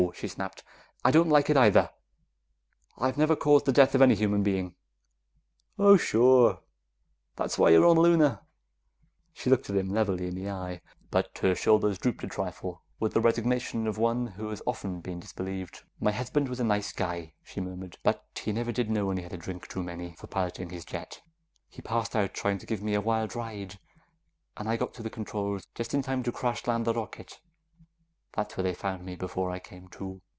she snapped. "I don't like it either; I've never caused the death of any human being." "Oh, sure. That's why you were on Luna!" She looked at him levelly in the eye, but her shoulders drooped a trifle with the resignation of one who has often been disbelieved. "My husband was a nice guy," she murmured, "but he never did know when he had a drink too many for piloting his jet. He passed out trying to give me a wild ride, and I got to the controls just in time to crash land the rocket; that's where they found me before I came to."